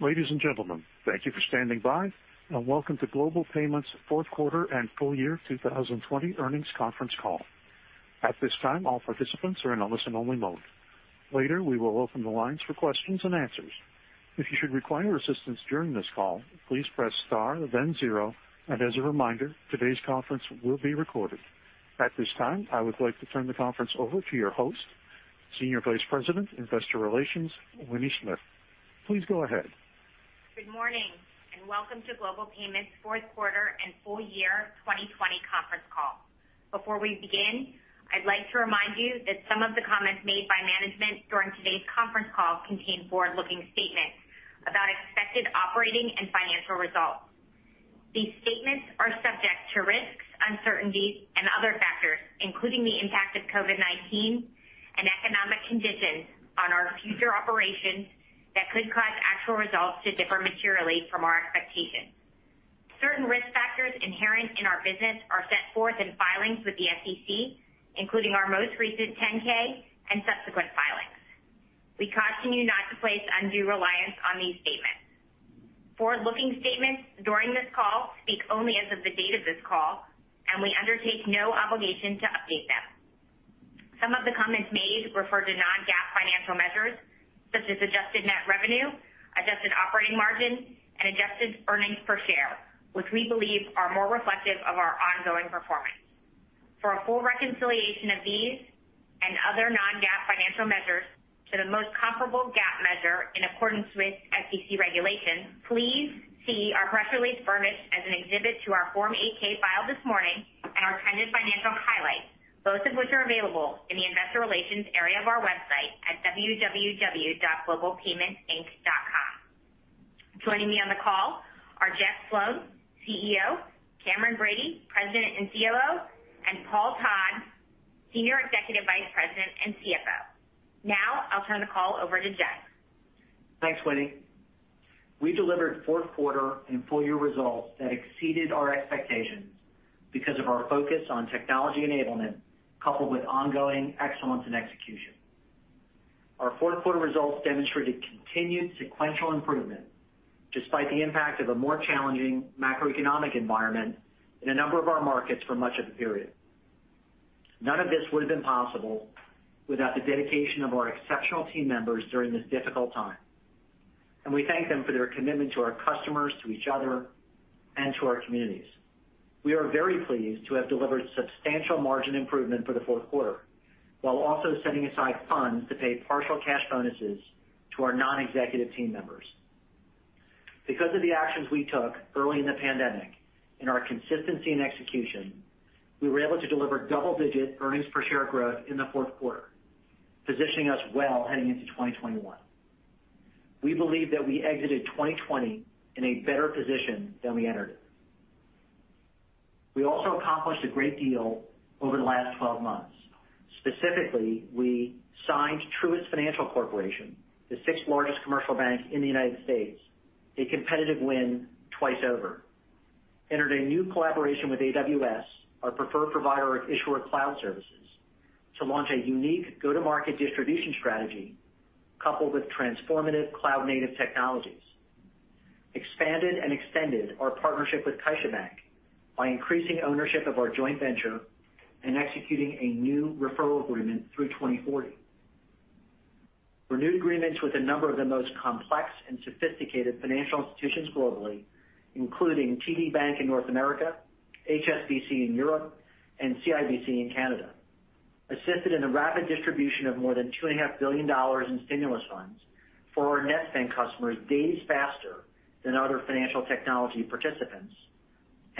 Ladies and gentlemen, thank you for standing by, and welcome to Global Payments' fourth quarter and full year 2020 earnings conference call. At this time, all participants are in a listen-only mode. Later, we will open the lines for questions and answers. If you should require assistance during this call, please press star, then zero. As a reminder, today's conference will be recorded. At this time, I would like to turn the conference over to your host, Senior Vice President, Investor Relations, Winnie Smith. Please go ahead. Good morning, and welcome to Global Payments' fourth quarter and full year 2020 conference call. Before we begin, I'd like to remind you that some of the comments made by management during today's conference call contain forward-looking statements about expected operating and financial results. These statements are subject to risks, uncertainties, and other factors, including the impact of COVID-19 and economic conditions on our future operations that could cause actual results to differ materially from our expectations. Certain risk factors inherent in our business are set forth in filings with the SEC, including our most recent 10-K and subsequent filings. We caution you not to place undue reliance on these statements. Forward-looking statements during this call speak only as of the date of this call, and we undertake no obligation to update them. Some of the comments made refer to non-GAAP financial measures, such as adjusted net revenue, adjusted operating margin, and adjusted earnings per share, which we believe are more reflective of our ongoing performance. For a full reconciliation of these and other non-GAAP financial measures to the most comparable GAAP measure in accordance with SEC regulations, please see our press release furnished as an exhibit to our Form 8-K filed this morning and our attendant financial highlights, both of which are available in the investor relations area of our website at www.globalpaymentsinc.com. Joining me on the call are Jeff Sloan, CEO, Cameron Bready, President and COO, and Paul Todd, Senior Executive Vice President and CFO. Now, I'll turn the call over to Jeff. Thanks, Winnie. We delivered fourth quarter and full-year results that exceeded our expectations because of our focus on technology enablement, coupled with ongoing excellence in execution. Our fourth quarter results demonstrated continued sequential improvement despite the impact of a more challenging macroeconomic environment in a number of our markets for much of the period. None of this would've been possible without the dedication of our exceptional team members during this difficult time, and we thank them for their commitment to our customers, to each other, and to our communities. We are very pleased to have delivered substantial margin improvement for the fourth quarter, while also setting aside funds to pay partial cash bonuses to our non-executive team members. Because of the actions we took early in the pandemic and our consistency in execution, we were able to deliver double-digit earnings per share growth in the fourth quarter, positioning us well heading into 2021. We believe that we exited 2020 in a better position than we entered it. We also accomplished a great deal over the last 12 months. Specifically, we signed Truist Financial Corporation, the sixth largest commercial bank in the United States, a competitive win twice over. We entered a new collaboration with AWS, our preferred provider of issuer cloud services, to launch a unique go-to-market distribution strategy coupled with transformative cloud-native technologies. We expanded and extended our partnership with CaixaBank by increasing ownership of our joint venture and executing a new referral agreement through 2040. Renewed agreements with a number of the most complex and sophisticated financial institutions globally, including TD Bank in North America, HSBC in Europe, and CIBC in Canada. Assisted in the rapid distribution of more than $2.5 billion in stimulus funds for our Netspend customers days faster than other financial technology participants.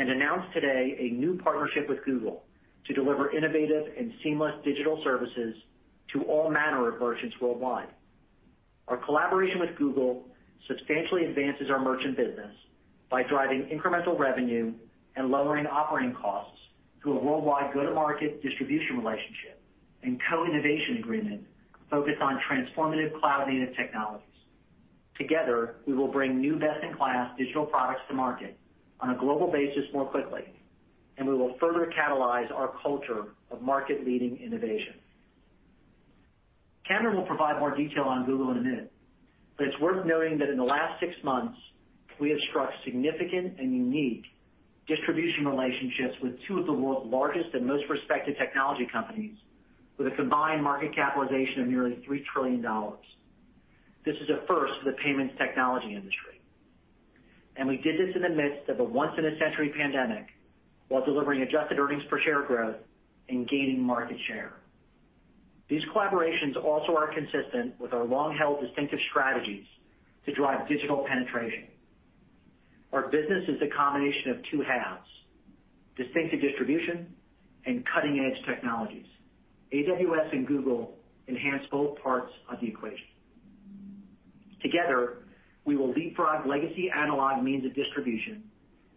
Announced today a new partnership with Google to deliver innovative and seamless digital services to all manner of merchants worldwide. Our collaboration with Google substantially advances our merchant business by driving incremental revenue and lowering operating costs through a worldwide go-to-market distribution relationship and co-innovation agreement focused on transformative cloud-native technologies. Together, we will bring new best-in-class digital products to market on a global basis more quickly, and we will further catalyze our culture of market-leading innovation. Cameron Bready will provide more detail on Google in a minute, it's worth noting that in the last six months, we have struck significant and unique distribution relationships with two of the world's largest and most respected technology companies with a combined market capitalization of nearly $3 trillion. This is a first for the payments technology industry. We did this in the midst of a once-in-a-century pandemic while delivering adjusted earnings per share growth and gaining market share. These collaborations also are consistent with our long-held distinctive strategies to drive digital penetration. Our business is a combination of two halves, distinctive distribution and cutting-edge technologies. AWS and Google enhance both parts of the equation. Together, we will leapfrog legacy analog means of distribution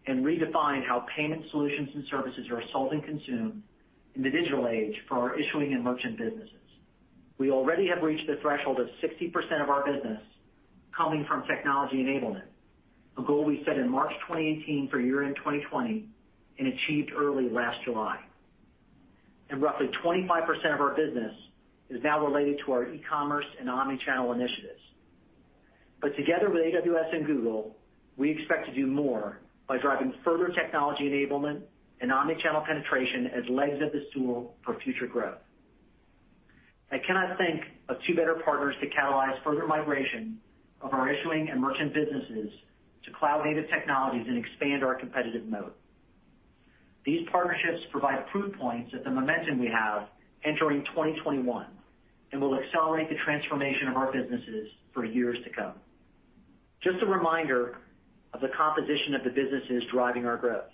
and redefine how payment solutions and services are sold and consumed in the digital age for our issuing and merchant businesses. We already have reached the threshold of 60% of our business coming from technology enablement, a goal we set in March 2018 for year-end 2020 and achieved early last July. Roughly 25% of our business is now related to our e-commerce and omni-channel initiatives. Together with AWS and Google, we expect to do more by driving further technology enablement and omni-channel penetration as legs of the stool for future growth. I cannot think of two better partners to catalyze further migration of our issuing and merchant businesses to cloud-native technologies and expand our competitive moat. These partnerships provide proof points of the momentum we have entering 2021, will accelerate the transformation of our businesses for years to come. Just a reminder of the composition of the businesses driving our growth.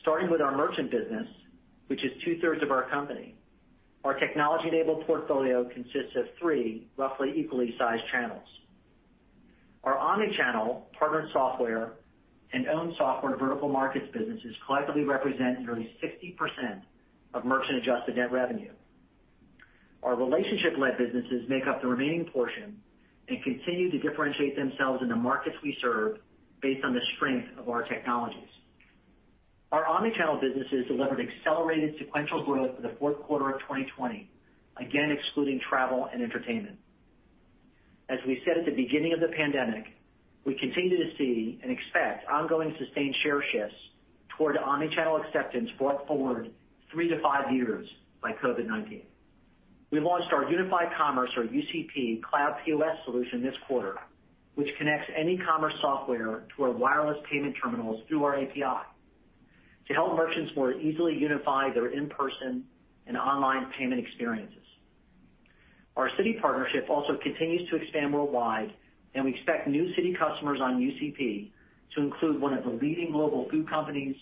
Starting with our merchant business, which is 2/3 of our company, our technology-enabled portfolio consists of three roughly equally sized channels. Our omni-channel partnered software and owned software vertical markets businesses collectively represent nearly 60% of merchant adjusted net revenue. Our relationship-led businesses make up the remaining portion and continue to differentiate themselves in the markets we serve based on the strength of our technologies. Our omni-channel businesses delivered accelerated sequential growth for the fourth quarter of 2020, again, excluding travel and entertainment. As we said at the beginning of the pandemic, we continue to see and expect ongoing sustained share shifts toward omni-channel acceptance brought forward three to five years by COVID-19. We launched our unified commerce or UCP cloud POS solution this quarter, which connects any commerce software to our wireless payment terminals through our API to help merchants more easily unify their in-person and online payment experiences. Our Citi partnership also continues to expand worldwide. We expect new Citi customers on UCP to include one of the leading global food companies,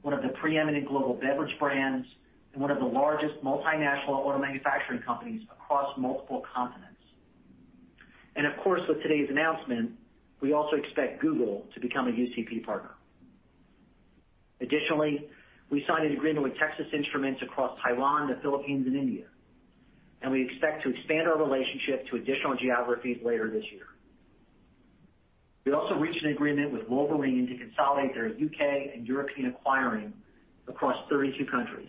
one of the preeminent global beverage brands, and one of the largest multinational auto manufacturing companies across multiple continents. Of course, with today's announcement, we also expect Google to become a UCP partner. Additionally, we signed an agreement with Texas Instruments across Taiwan, the Philippines, and India. We expect to expand our relationship to additional geographies later this year. We also reached an agreement with Wolverine to consolidate their U.K. and European acquiring across 32 countries,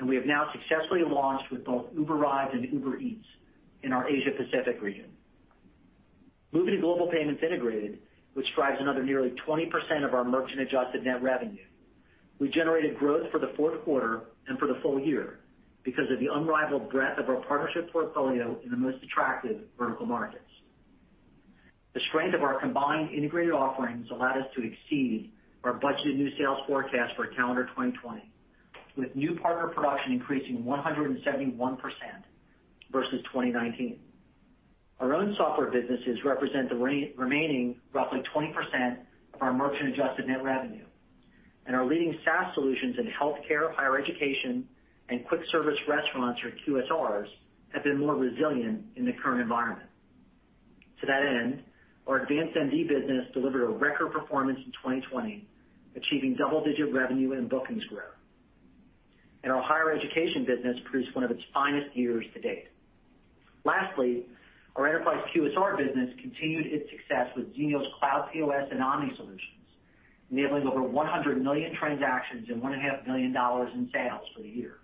and we have now successfully launched with both Uber Rides and Uber Eats in our Asia Pacific region. Moving to Global Payments Integrated, which drives another nearly 20% of our merchant-adjusted net revenue, we generated growth for the fourth quarter and for the full year because of the unrivaled breadth of our partnership portfolio in the most attractive vertical markets. The strength of our combined integrated offerings allowed us to exceed our budgeted new sales forecast for calendar 2020, with new partner production increasing 171% versus 2019. Our own software businesses represent the remaining roughly 20% of our merchant-adjusted net revenue and our leading SaaS solutions in healthcare, higher education, and quick service restaurants, or QSRs, have been more resilient in the current environment. To that end, our AdvancedMD business delivered a record performance in 2020, achieving double-digit revenue and bookings growth. Our higher education business produced one of its finest years to date. Our enterprise QSR business continued its success with Xenial's cloud POS and omni solutions, enabling over 100 million transactions and $1.5 billion in sales for the year.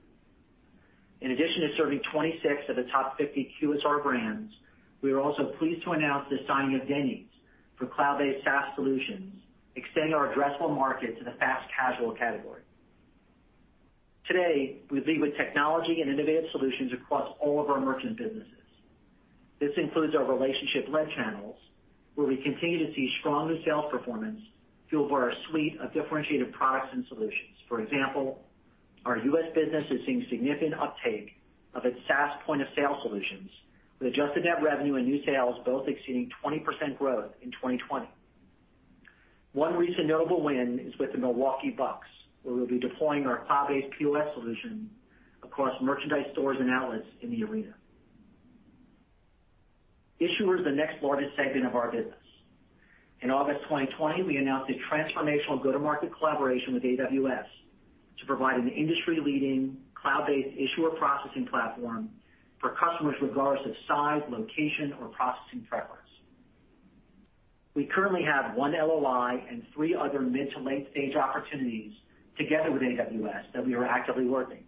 In addition to serving 26 of the top 50 QSR brands, we are also pleased to announce the signing of Denny's for cloud-based SaaS solutions, extending our addressable market to the fast-casual category. Today, we lead with technology and innovative solutions across all of our merchant businesses. This includes our relationship-led channels, where we continue to see stronger sales performance fueled by our suite of differentiated products and solutions. For example, our U.S. business is seeing significant uptake of its SaaS point-of-sale solutions with adjusted net revenue and new sales both exceeding 20% growth in 2020. One recent notable win is with the Milwaukee Bucks, where we will be deploying our cloud-based POS solution across merchandise stores and outlets in the arena. Issuer Solutions the next largest segment of our business. In August 2020, we announced a transformational go-to-market collaboration with AWS to provide an industry-leading cloud-based issuer processing platform for customers regardless of size, location, or processing preference. We currently have one LOI and three other mid-to-late-stage opportunities together with AWS that we are actively working.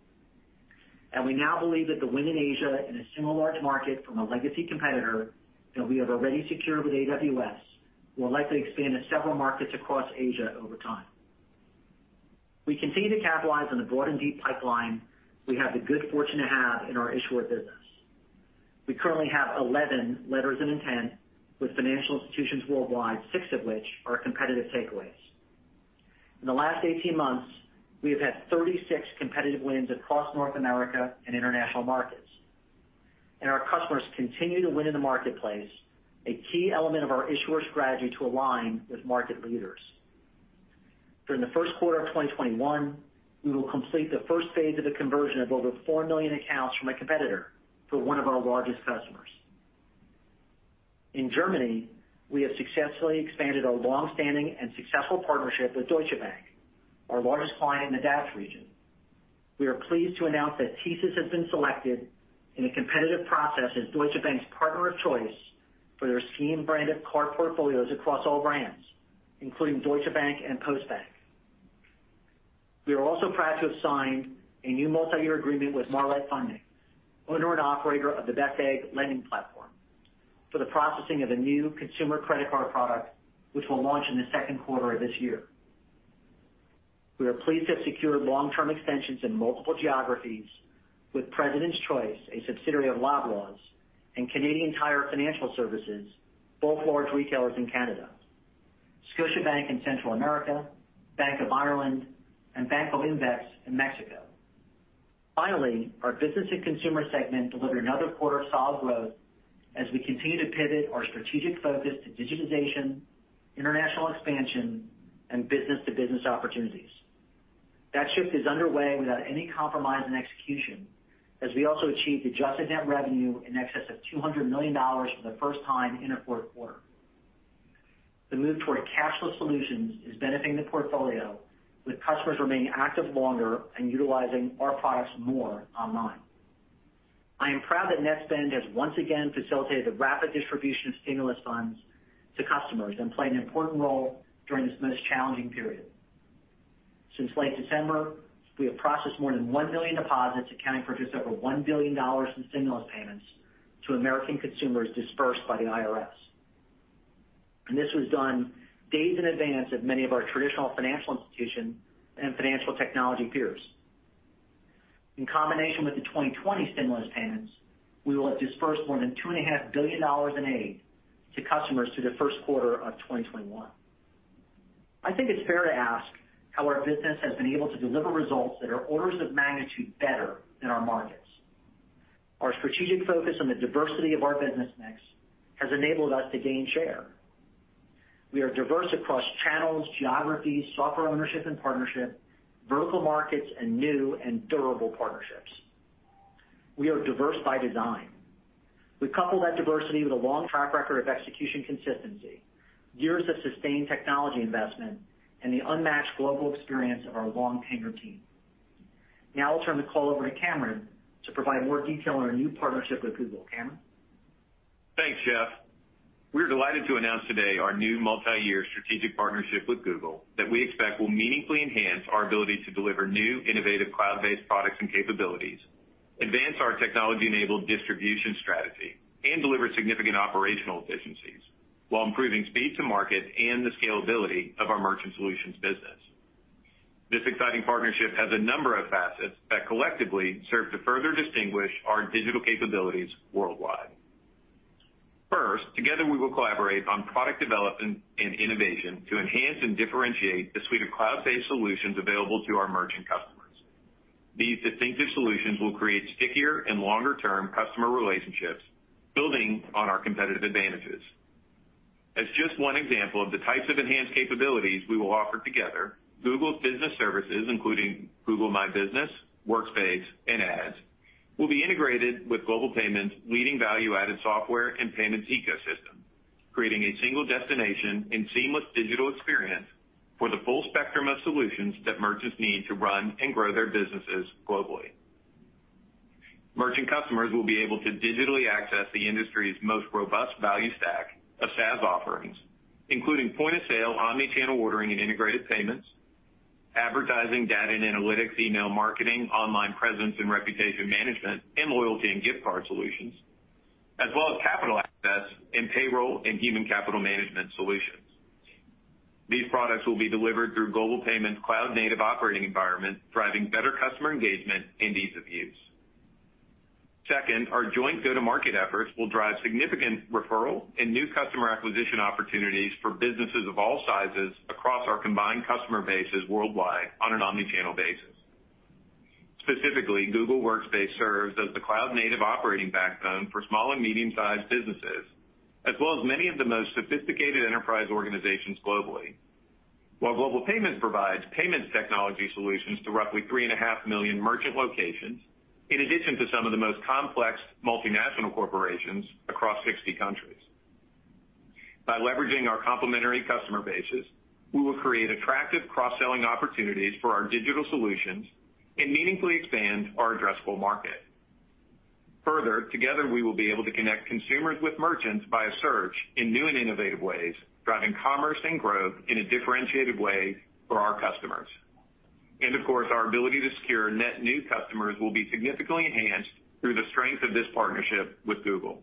We now believe that the win in Asia in a similar large market from a legacy competitor that we have already secured with AWS will likely expand to several markets across Asia over time. We continue to capitalize on the broad and deep pipeline we have the good fortune to have in our Issuer Solutions business. We currently have 11 letters of intent with financial institutions worldwide, six of which are competitive takeaways. In the last 18 months, we have had 18 competitive wins across North America and international markets, and our customers continue to win in the marketplace, a key element of our issuer strategy to align with market leaders. During the first quarter of 2021, we will complete the first phase of the conversion of over 4 million accounts from a competitor to one of our largest customers. In Germany, we have successfully expanded our long-standing and successful partnership with Deutsche Bank, our largest client in the DACH region. We are pleased to announce that TSYS has been selected in a competitive process as Deutsche Bank's partner of choice for their scheme-branded card portfolios across all brands, including Deutsche Bank and Postbank. We are also proud to have signed a new multi-year agreement with Marlette Funding, owner and operator of the Best Egg lending platform, for the processing of a new consumer credit card product, which will launch in the second quarter of this year. We are pleased to have secured long-term extensions in multiple geographies with President's Choice, a subsidiary of Loblaw's, and Canadian Tire Financial Services, both large retailers in Canada, Scotiabank in Central America, Bank of Ireland, and Banco Invex in Mexico. Finally, our Business and Consumer segment delivered another quarter of solid growth as we continue to pivot our strategic focus to digitization, international expansion, and business-to-business opportunities. That shift is underway without any compromise in execution, as we also achieved adjusted net revenue in excess of $200 million for the first time in a fourth quarter. The move toward cashless solutions is benefiting the portfolio, with customers remaining active longer and utilizing our products more online. I am proud that Netspend has once again facilitated the rapid distribution of stimulus funds to customers and played an important role during this most challenging period. Since late December, we have processed more than 1 million deposits, accounting for just over $1 billion in stimulus payments to American consumers dispersed by the IRS. This was done days in advance of many of our traditional financial institution and financial technology peers. In combination with the 2020 stimulus payments, we will have dispersed more than $2.5 billion in aid to customers through the first quarter of 2021. I think it's fair to ask how our business has been able to deliver results that are orders of magnitude better than our markets. Our strategic focus on the diversity of our business mix has enabled us to gain share. We are diverse across channels, geographies, software ownership and partnership, vertical markets, and new and durable partnerships. We are diverse by design. We couple that diversity with a long track record of execution consistency, years of sustained technology investment, and the unmatched global experience of our long-tenured team. I'll turn the call over to Cameron to provide more detail on our new partnership with Google. Cameron? Thanks, Jeff. We are delighted to announce today our new multi-year strategic partnership with Google that we expect will meaningfully enhance our ability to deliver new innovative cloud-based products and capabilities, advance our technology-enabled distribution strategy, and deliver significant operational efficiencies while improving speed to market and the scalability of our Merchant Solutions business. This exciting partnership has a number of facets that collectively serve to further distinguish our digital capabilities worldwide. Together, we will collaborate on product development and innovation to enhance and differentiate the suite of cloud-based solutions available to our merchant customers. These distinctive solutions will create stickier and longer-term customer relationships, building on our competitive advantages. As just one example of the types of enhanced capabilities we will offer together, Google's business services, including Google My Business, Workspace, and Ads, will be integrated with Global Payments' leading value-added software and payments ecosystem, creating a single destination and seamless digital experience for the full spectrum of solutions that merchants need to run and grow their businesses globally. Merchant customers will be able to digitally access the industry's most robust value stack of SaaS offerings, including point-of-sale, omni-channel ordering, and integrated payments, advertising, data and analytics, email marketing, online presence and reputation management, and loyalty and gift card solutions, as well as capital access and payroll and human capital management solutions. These products will be delivered through Global Payments' cloud-native operating environment, driving better customer engagement and ease of use. Second, our joint go-to-market efforts will drive significant referral and new customer acquisition opportunities for businesses of all sizes across our combined customer bases worldwide on an omni-channel basis. Specifically, Google Workspace serves as the cloud-native operating backbone for small and medium-sized businesses, as well as many of the most sophisticated enterprise organizations globally. While Global Payments provides payments technology solutions to roughly 3.5 million merchant locations, in addition to some of the most complex multinational corporations across 60 countries. By leveraging our complementary customer bases, we will create attractive cross-selling opportunities for our digital solutions and meaningfully expand our addressable market. Further, together, we will be able to connect consumers with merchants by a search in new and innovative ways, driving commerce and growth in a differentiated way for our customers. Of course, our ability to secure net new customers will be significantly enhanced through the strength of this partnership with Google.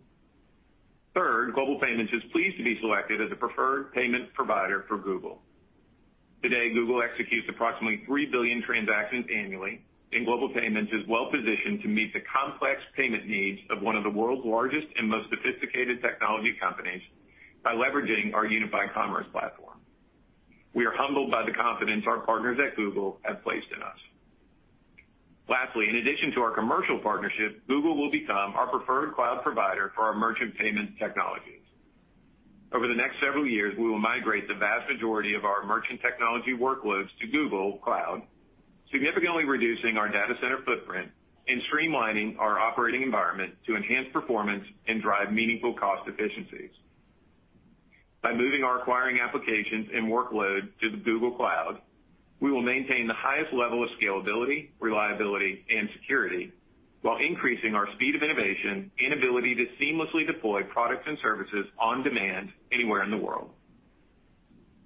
Third, Global Payments is pleased to be selected as a preferred payment provider for Google. Today, Google executes approximately 3 billion transactions annually, Global Payments is well-positioned to meet the complex payment needs of one of the world's largest and most sophisticated technology companies by leveraging our Unified Commerce Platform. We are humbled by the confidence our partners at Google have placed in us. Lastly, in addition to our commercial partnership, Google will become our preferred cloud provider for our merchant payment technologies. Over the next several years, we will migrate the vast majority of our Merchant Solutions technology workloads to Google Cloud, significantly reducing our data center footprint and streamlining our operating environment to enhance performance and drive meaningful cost efficiencies. By moving our acquiring applications and workload to the Google Cloud, we will maintain the highest level of scalability, reliability, and security while increasing our speed of innovation and ability to seamlessly deploy products and services on demand anywhere in the world.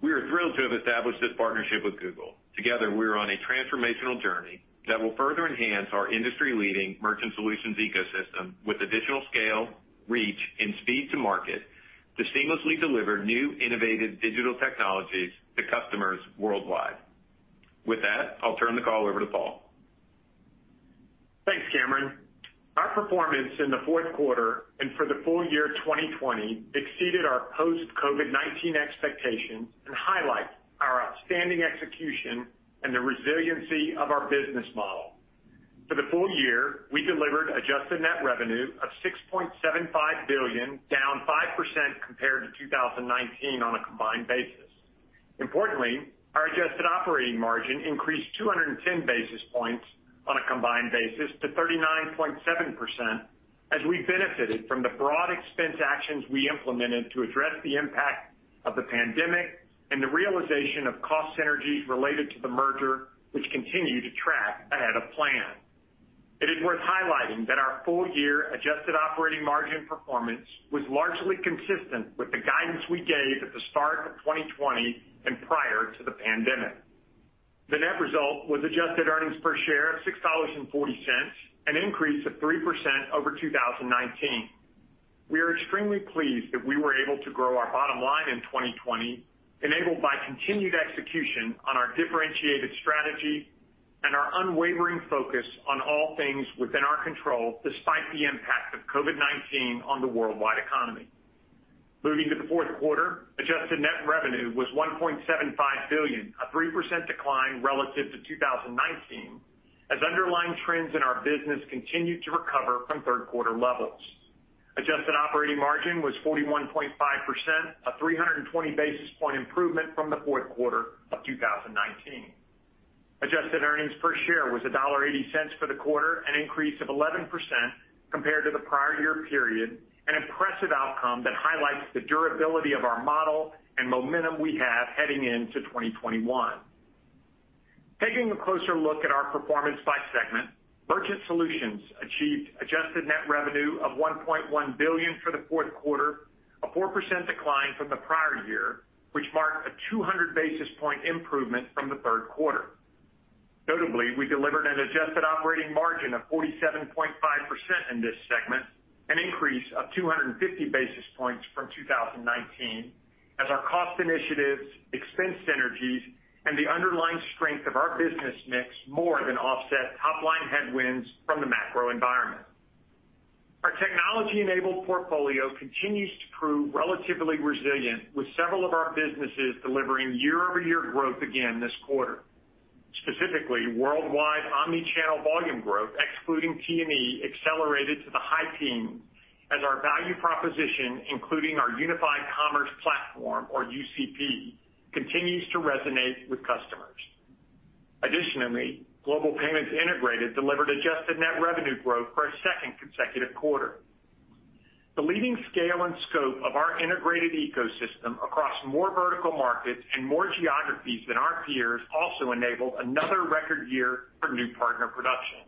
We are thrilled to have established this partnership with Google. Together, we are on a transformational journey that will further enhance our industry-leading Merchant Solutions ecosystem with additional scale, reach, and speed to market to seamlessly deliver new innovative digital technologies to customers worldwide. With that, I'll turn the call over to Paul. Thanks, Cameron. Our performance in the fourth quarter and for the full year 2020 exceeded our post-COVID-19 expectations and highlights our outstanding execution and the resiliency of our business model. For the full year, we delivered adjusted net revenue of $6.75 billion, down 5% compared to 2019 on a combined basis. Importantly, our adjusted operating margin increased 210 basis points on a combined basis to 39.7% as we benefited from the broad expense actions we implemented to address the impact of the pandemic and the realization of cost synergies related to the merger which continue to track ahead of plan. It is worth highlighting that our full-year adjusted operating margin performance was largely consistent with the guidance we gave at the start of 2020 and prior to the pandemic. The net result was adjusted earnings per share of $6.40, an increase of 3% over 2019. We are extremely pleased that we were able to grow our bottom line in 2020, enabled by continued execution on our differentiated strategy and our unwavering focus on all things within our control despite the impact of COVID-19 on the worldwide economy. Moving to the fourth quarter, adjusted net revenue was $1.75 billion, a 3% decline relative to 2019 as underlying trends in our business continued to recover from third quarter levels. Adjusted operating margin was 41.5%, a 320 basis point improvement from the fourth quarter of 2019. Adjusted earnings per share was $1.80 for the quarter, an increase of 11% compared to the prior year period, an impressive outcome that highlights the durability of our model and momentum we have heading into 2021. Taking a closer look at our performance by segment, Merchant Solutions achieved adjusted net revenue of $1.1 billion for the fourth quarter, a 4% decline from the prior year, which marked a 200 basis points improvement from the third quarter. Notably, we delivered an adjusted operating margin of 47.5% in this segment, an increase of 250 basis points from 2019 as our cost initiatives, expense synergies, and the underlying strength of our business mix more than offset top-line headwinds from the macro environment. Our technology-enabled portfolio continues to prove relatively resilient, with several of our businesses delivering year-over-year growth again this quarter. Specifically, worldwide omni-channel volume growth, excluding T&E, accelerated to the high teens as our value proposition, including our Unified Commerce Platform, or UCP, continues to resonate with customers. Additionally, Global Payments Integrated delivered adjusted net revenue growth for a second consecutive quarter. The leading scale and scope of our integrated ecosystem across more vertical markets and more geographies than our peers also enabled another record year for new partner production.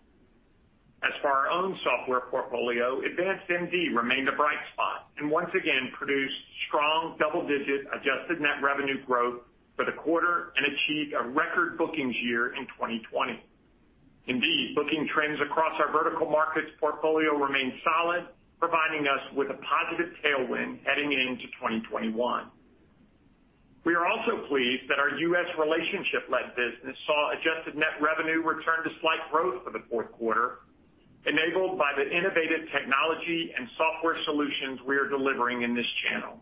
As for our own software portfolio, AdvancedMD remained a bright spot and once again produced strong double-digit adjusted net revenue growth for the quarter and achieved a record bookings year in 2020. Indeed, booking trends across our vertical markets portfolio remain solid, providing us with a positive tailwind heading into 2021. We are also pleased that our U.S. relationship-led business saw adjusted net revenue return to slight growth for the fourth quarter, enabled by the innovative technology and software solutions we are delivering in this channel.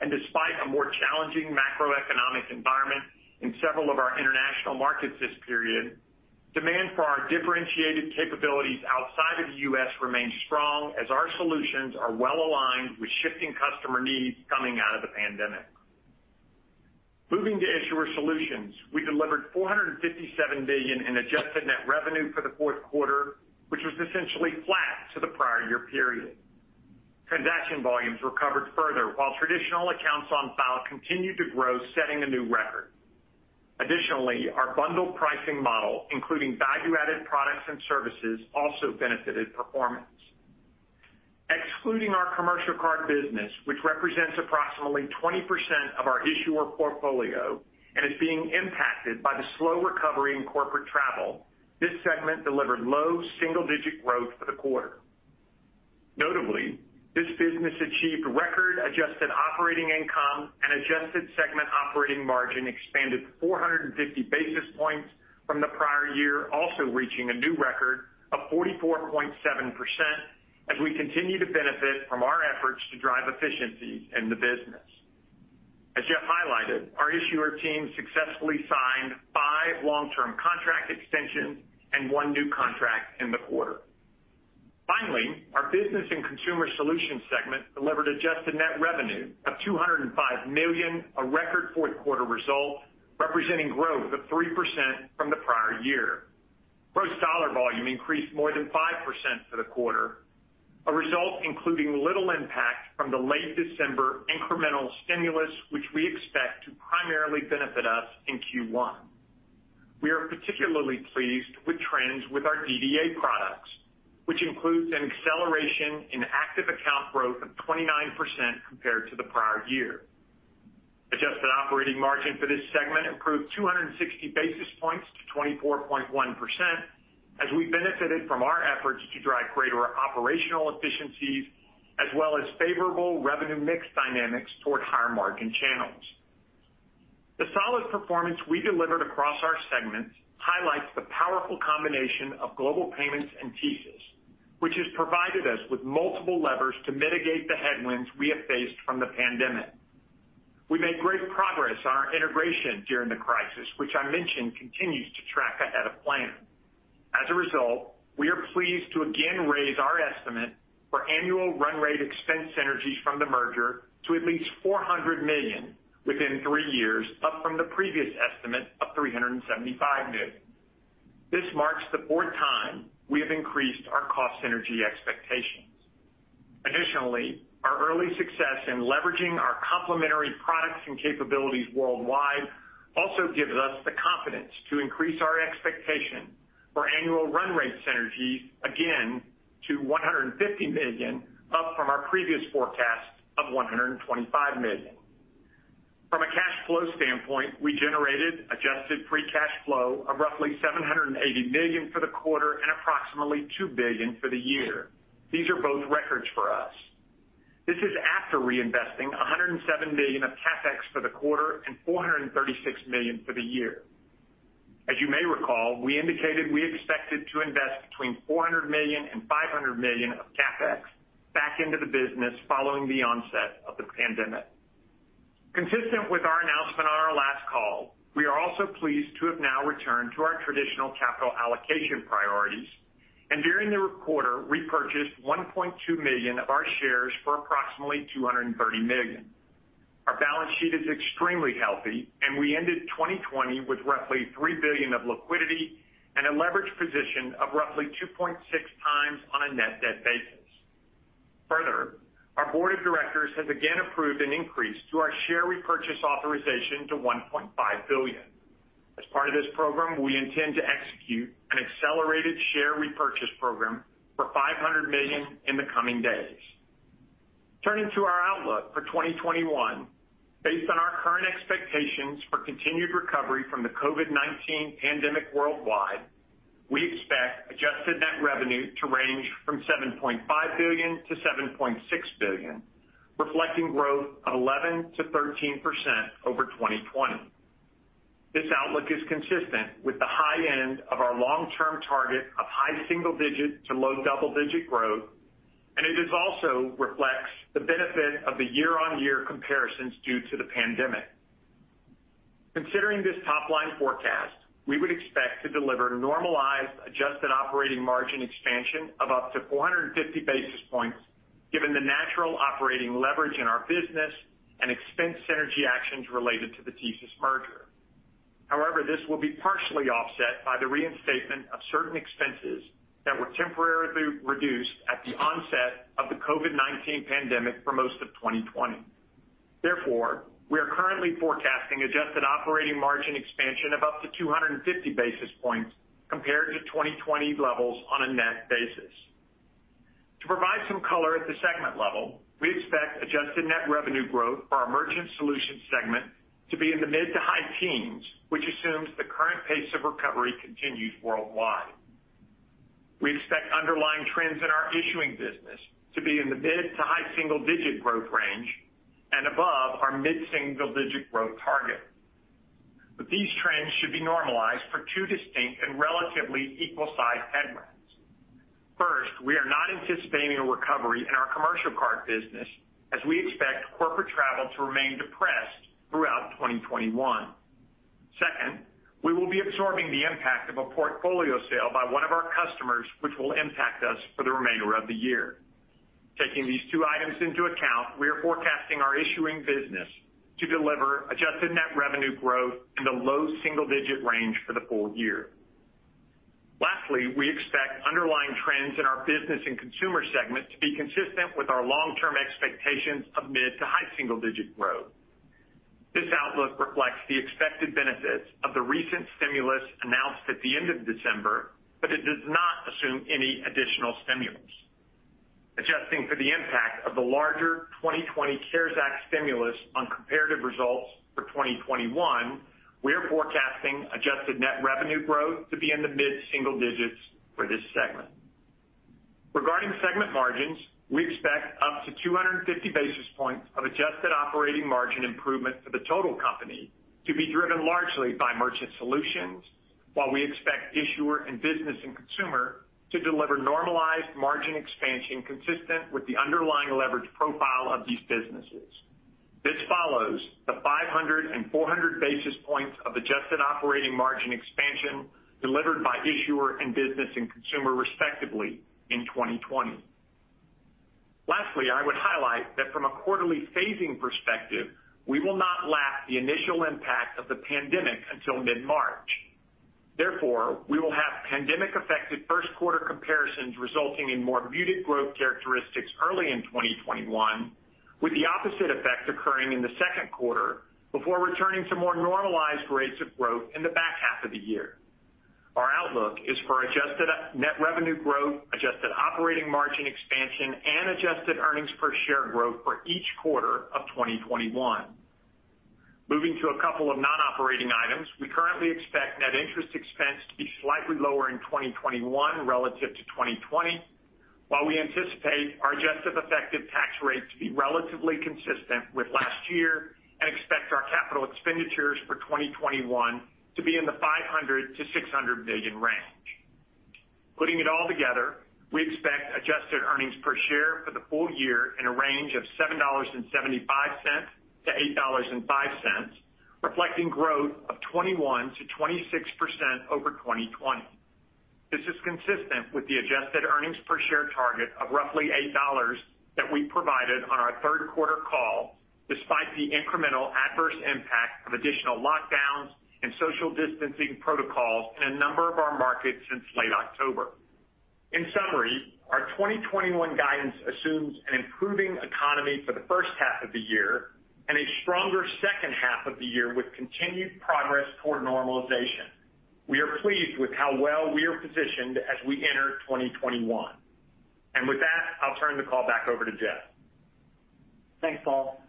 Despite a more challenging macroeconomic environment in several of our international markets this period, demand for our differentiated capabilities outside of the U.S. remains strong as our solutions are well-aligned with shifting customer needs coming out of the pandemic. Moving to Issuer Solutions, we delivered $457 million in adjusted net revenue for the fourth quarter, which was essentially flat to the prior year period. Transaction volumes recovered further, while traditional accounts on file continued to grow, setting a new record. Additionally, our bundled pricing model, including value-added products and services, also benefited performance. Excluding our commercial card business, which represents approximately 20% of our issuer portfolio and is being impacted by the slow recovery in corporate travel, this segment delivered low single-digit growth for the quarter. Notably, this business achieved record adjusted operating income and adjusted segment operating margin expanded 450 basis points from the prior year, also reaching a new record of 44.7% as we continue to benefit from our efforts to drive efficiency in the business. As Jeff highlighted, our Issuer team successfully signed five long-term contract extensions and one new contract in the quarter. Finally, our Business and Consumer Solutions segment delivered adjusted net revenue of $205 million, a record fourth quarter result, representing growth of 3% from the prior year. Gross dollar volume increased more than 5% for the quarter, a result including little impact from the late December incremental stimulus, which we expect to primarily benefit us in Q1. We are particularly pleased with trends with our DDA products, which includes an acceleration in active account growth of 29% compared to the prior year. Adjusted operating margin for this segment improved 260 basis points to 24.1% as we benefited from our efforts to drive greater operational efficiencies as well as favorable revenue mix dynamics toward higher-margin channels. The solid performance we delivered across our segments highlights the powerful combination of Global Payments and TSYS, which has provided us with multiple levers to mitigate the headwinds we have faced from the pandemic. We made great progress on our integration during the crisis, which I mentioned continues to track ahead of plan. As a result, we are pleased to again raise our estimate for annual run rate expense synergies from the merger to at least $400 million within three years, up from the previous estimate of $375 million. This marks the fourth time we have increased our cost synergy expectations. Additionally, our early success in leveraging our complementary products and capabilities worldwide also gives us the confidence to increase our expectation for annual run rate synergies again to $150 million, up from our previous forecast of $125 million. From a cash flow standpoint, we generated adjusted free cash flow of roughly $780 million for the quarter and approximately $2 billion for the year. These are both records for us. This is after reinvesting $107 million of CapEx for the quarter and $436 million for the year. As you may recall, we indicated we expected to invest between $400 million and $500 million of CapEx back into the business following the onset of the pandemic. Consistent with our announcement on our last call, we are also pleased to have now returned to our traditional capital allocation priorities, and during the quarter repurchased 1.2 million of our shares for approximately $230 million. Our balance sheet is extremely healthy, and we ended 2020 with roughly $3 billion of liquidity and a leverage position of roughly 2.6x on a net debt basis. Further, our Board of Directors has again approved an increase to our share repurchase authorization to $1.5 billion. As part of this program, we intend to execute an accelerated share repurchase program for $500 million in the coming days. Turning to our outlook for 2021, based on our current expectations for continued recovery from the COVID-19 pandemic worldwide, we expect adjusted net revenue to range from $7.5 billion-$7.6 billion, reflecting growth of 11%-13% over 2020. This outlook is consistent with the high end of our long-term target of high single digit to low double-digit growth, and it also reflects the benefit of the year-on-year comparisons due to the pandemic. Considering this top-line forecast, we would expect to deliver normalized adjusted operating margin expansion of up to 450 basis points given the natural operating leverage in our business and expense synergy actions related to the TSYS merger. However, this will be partially offset by the reinstatement of certain expenses that were temporarily reduced at the onset of the COVID-19 pandemic for most of 2020. Therefore, we are currently forecasting adjusted operating margin expansion of up to 250 basis points compared to 2020 levels on a net basis. To provide some color at the segment level, we expect adjusted net revenue growth for our Merchant Solutions segment to be in the mid to high teens, which assumes the current pace of recovery continues worldwide. We expect underlying trends in our issuing business to be in the mid to high single-digit growth range and above our mid-single-digit growth target. These trends should be normalized for two distinct and relatively equal-sized headwinds. First, we are not anticipating a recovery in our commercial card business as we expect corporate travel to remain depressed throughout 2021. Second, we will be absorbing the impact of a portfolio sale by one of our customers, which will impact us for the remainder of the year. Taking these two items into account, we are forecasting our issuing business to deliver adjusted net revenue growth in the low single-digit range for the full year. Lastly, we expect underlying trends in our Business and Consumer Solutions segment to be consistent with our long-term expectations of mid to high single-digit growth. This outlook reflects the expected benefits of the recent stimulus announced at the end of December, but it does not assume any additional stimulus. Adjusting for the impact of the larger 2020 CARES Act stimulus on comparative results for 2021, we are forecasting adjusted net revenue growth to be in the mid single digits for this segment. Regarding segment margins, we expect up to 250 basis points of adjusted operating margin improvement for the total company to be driven largely by Merchant Solutions, while we expect Issuer and Business and Consumer to deliver normalized margin expansion consistent with the underlying leverage profile of these businesses. This follows the 500 and 400 basis points of adjusted operating margin expansion delivered by Issuer and Business and Consumer, respectively, in 2020. Lastly, I would highlight that from a quarterly phasing perspective, we will not lap the initial impact of the pandemic until mid-March. We will have pandemic-affected first quarter comparisons resulting in more muted growth characteristics early in 2021, with the opposite effect occurring in the second quarter before returning to more normalized rates of growth in the back half of the year. Our outlook is for adjusted net revenue growth, adjusted operating margin expansion, and adjusted earnings per share growth for each quarter of 2021. Moving to a couple of non-operating items, we currently expect net interest expense to be slightly lower in 2021 relative to 2020, while we anticipate our adjusted effective tax rate to be relatively consistent with last year and expect our capital expenditures for 2021 to be in the $500 million-$600 million range. Putting it all together, we expect adjusted earnings per share for the full year in a range of $7.75-$8.05, reflecting growth of 21%-26% over 2020. This is consistent with the adjusted earnings per share target of roughly $8 that we provided on our third quarter call despite the incremental adverse impact of additional lockdowns and social distancing protocols in a number of our markets since late October. In summary, our 2021 guidance assumes an improving economy for the first half of the year and a stronger second half of the year with continued progress toward normalization. We are pleased with how well we are positioned as we enter 2021. With that, I'll turn the call back over to Jeff. Thanks, Paul.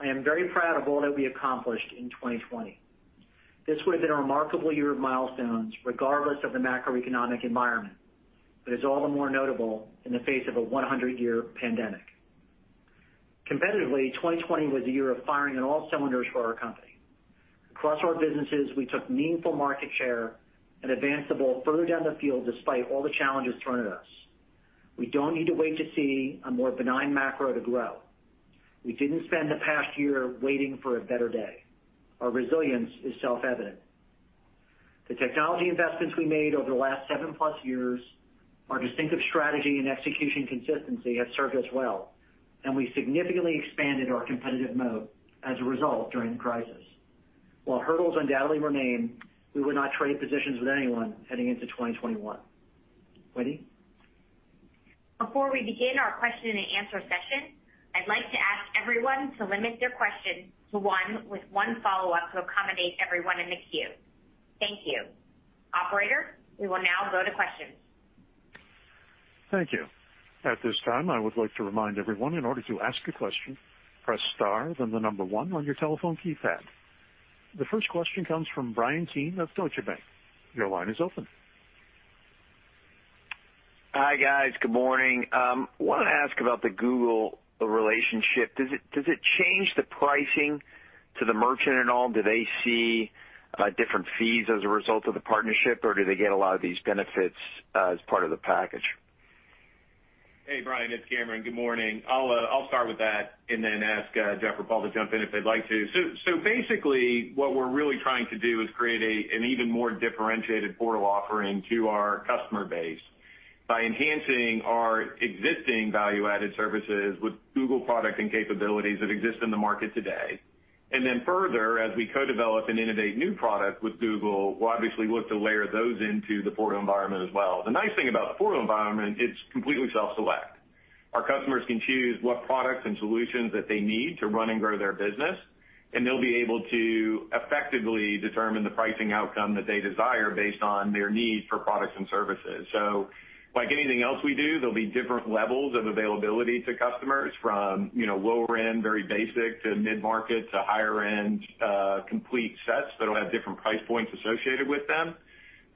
I am very proud of all that we accomplished in 2020. This would have been a remarkable year of milestones regardless of the macroeconomic environment, but it's all the more notable in the face of a 100-year pandemic. Competitively, 2020 was a year of firing on all cylinders for our company. Across our businesses, we took meaningful market share and advanced the ball further down the field despite all the challenges thrown at us. We don't need to wait to see a more benign macro to grow. We didn't spend the past year waiting for a better day. Our resilience is self-evident. The technology investments we made over the last seven-plus years, our distinctive strategy and execution consistency have served us well, and we significantly expanded our competitive moat as a result during the crisis. While hurdles undoubtedly remain, we would not trade positions with anyone heading into 2021. Winnie? Before we begin our question-and-answer session, I'd like to ask everyone to limit their question to one with one follow-up to accommodate everyone in the queue. Thank you. Operator, we will now go to questions. Thank you. At this time, I would like to remind everyone, in order to ask a question, press star, then the number one on your telephone keypad. The first question comes from Bryan Keane of Deutsche Bank. Your line is open. Hi, guys. Good morning. Wanted to ask about the Google relationship. Does it change the pricing to the merchant at all? Do they see different fees as a result of the partnership or do they get a lot of these benefits as part of the package? Hey, Bryan, it's Cameron. Good morning. I'll start with that and then ask Jeff or Paul to jump in if they'd like to. Basically, what we're really trying to do is create an even more differentiated portal offering to our customer base by enhancing our existing value-added services with Google product and capabilities that exist in the market today. Further, as we co-develop and innovate new products with Google, we'll obviously look to layer those into the portal environment as well. The nice thing about the portal environment, it's completely self-select. Our customers can choose what products and solutions that they need to run and grow their business, and they'll be able to effectively determine the pricing outcome that they desire based on their need for products and services. Like anything else we do, there'll be different levels of availability to customers from lower end, very basic to mid-market to higher end complete sets that'll have different price points associated with them.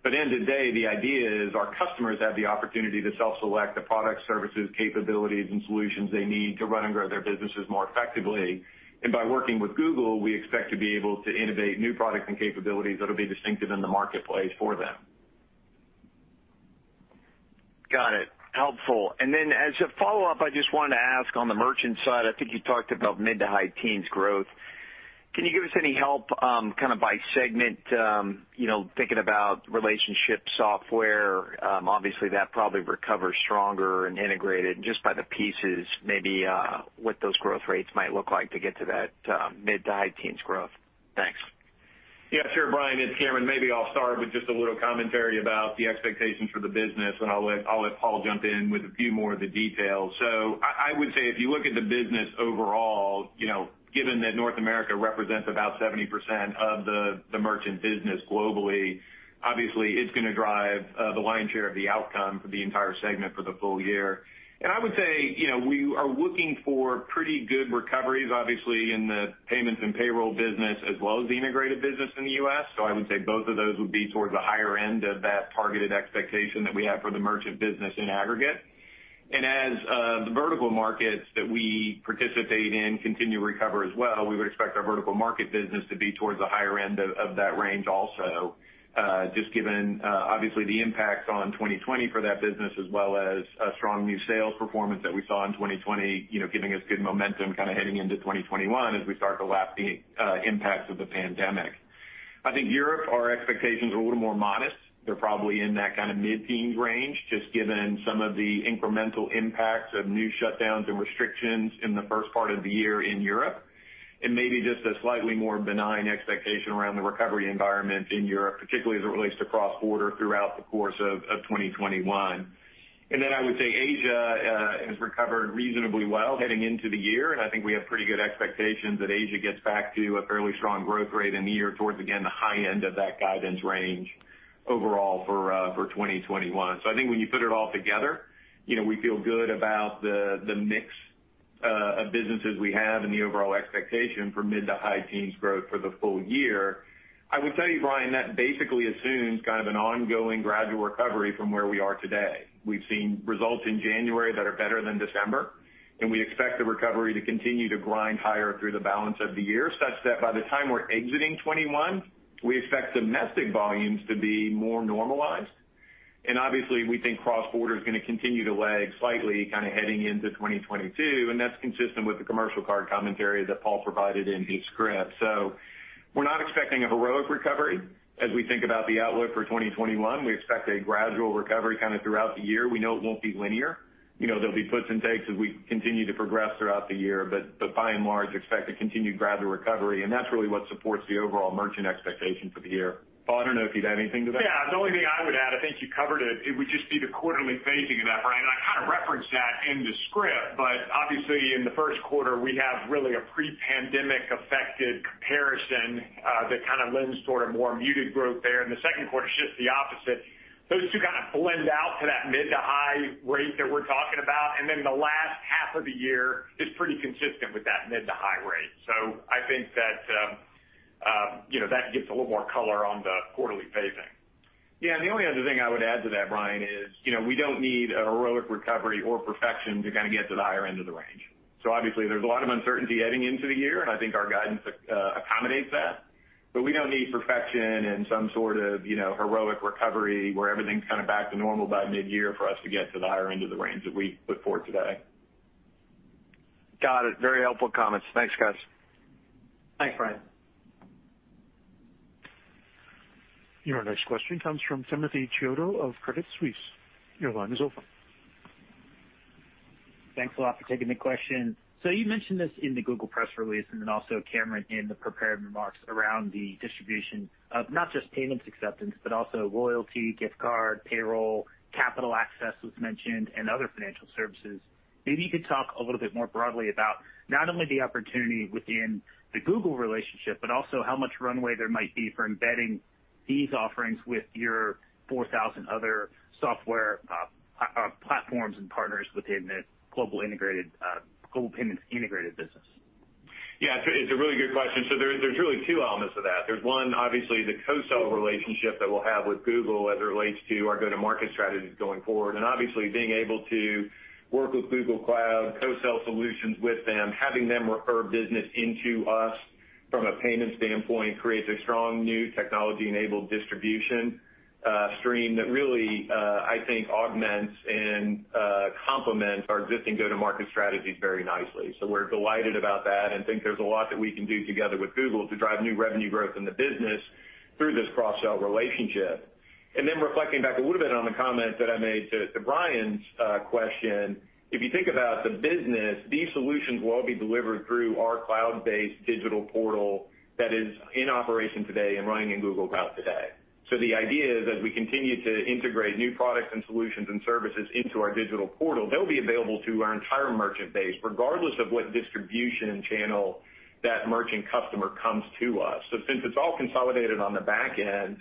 End of the day, the idea is our customers have the opportunity to self-select the product services, capabilities, and solutions they need to run and grow their businesses more effectively. By working with Google, we expect to be able to innovate new products and capabilities that'll be distinctive in the marketplace for them. Got it. Helpful. As a follow-up, I just wanted to ask on the merchant side, I think you talked about mid to high teens growth. Can you give us any help by segment? Thinking about relationship software. Obviously, that probably recovers stronger and integrated just by the pieces, maybe what those growth rates might look like to get to that mid to high teens growth. Thanks. Yeah, sure, Bryan, it's Cameron. Maybe I'll start with just a little commentary about the expectations for the business, and I'll let Paul jump in with a few more of the details. I would say if you look at the business overall, given that North America represents about 70% of the merchant business globally, obviously it's going to drive the lion's share of the outcome for the entire segment for the full year. I would say we are looking for pretty good recoveries, obviously in the payments and payroll business as well as the integrated business in the U.S. I would say both of those would be towards the higher end of that targeted expectation that we have for the merchant business in aggregate. As the vertical markets that we participate in continue to recover as well, we would expect our vertical market business to be towards the higher end of that range also just given obviously the impacts on 2020 for that business as well as a strong new sales performance that we saw in 2020 giving us good momentum heading into 2021 as we start to lap the impacts of the pandemic. I think Europe, our expectations are a little more modest. They're probably in that kind of mid-teens range, just given some of the incremental impacts of new shutdowns and restrictions in the first part of the year in Europe, and maybe just a slightly more benign expectation around the recovery environment in Europe, particularly as it relates to cross-border throughout the course of 2021. I would say Asia has recovered reasonably well heading into the year, and I think we have pretty good expectations that Asia gets back to a fairly strong growth rate in the year towards, again, the high end of that guidance range overall for 2021. I think when you put it all together, we feel good about the mix of businesses we have and the overall expectation for mid to high teens growth for the full year. I would tell you, Bryan, that basically assumes kind of an ongoing gradual recovery from where we are today. We've seen results in January that are better than December, we expect the recovery to continue to grind higher through the balance of the year, such that by the time we're exiting 2021, we expect domestic volumes to be more normalized. Obviously, we think cross-border is going to continue to lag slightly kind of heading into 2022, and that's consistent with the commercial card commentary that Paul Todd provided in his script. We're not expecting a heroic recovery as we think about the outlook for 2021. We expect a gradual recovery kind of throughout the year. We know it won't be linear. There'll be puts and takes as we continue to progress throughout the year, but by and large, expect a continued gradual recovery, and that's really what supports the overall merchant expectation for the year. Paul, I don't know if you'd add anything to that? Yeah. The only thing I would add, I think you covered it. It would just be the quarterly phasing of that, Bryan. I kind of referenced that in the script, but obviously in the first quarter, we have really a pre-pandemic affected comparison that kind of lends to a more muted growth there. In the second quarter, it's just the opposite. Those two kind of blend out to that mid to high rate that we're talking about, and then the last half of the year is pretty consistent with that mid to high rate. I think that gives a little more color on the quarterly phasing. Yeah. The only other thing I would add to that, Bryan, is we don't need a heroic recovery or perfection to kind of get to the higher end of the range. Obviously, there's a lot of uncertainty heading into the year, and I think our guidance accommodates that. We don't need perfection and some sort of heroic recovery where everything's kind of back to normal by mid-year for us to get to the higher end of the range that we put forward today. Got it. Very helpful comments. Thanks, guys. Thanks, Bryan. Your next question comes from Timothy Chiodo of Credit Suisse. Your line is open. Thanks a lot for taking the question. You mentioned this in the Google press release, and then also Cameron in the prepared remarks around the distribution of not just payments acceptance, but also loyalty, gift card, payroll, capital access was mentioned, and other financial services. Maybe you could talk a little bit more broadly about not only the opportunity within the Google relationship, but also how much runway there might be for embedding these offerings with your 4,000 other software platforms and partners within the Global Payments Integrated business. It's a really good question. There's really two elements of that. There's one, obviously, the co-sell relationship that we'll have with Google as it relates to our go-to-market strategies going forward. Obviously being able to work with Google Cloud, co-sell solutions with them, having them refer business into us from a payments standpoint creates a strong new technology-enabled distribution stream that really, I think, augments and complements our existing go-to-market strategies very nicely. We're delighted about that and think there's a lot that we can do together with Google to drive new revenue growth in the business through this cross-sell relationship. Then reflecting back a little bit on the comment that I made to Bryan's question, if you think about the business, these solutions will all be delivered through our cloud-based digital portal that is in operation today and running in Google Cloud today. The idea is, as we continue to integrate new products and solutions and services into our digital portal, they'll be available to our entire merchant base, regardless of what distribution channel that merchant customer comes to us. Since it's all consolidated on the back end,